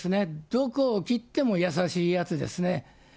どこを切っても優しいやつですね。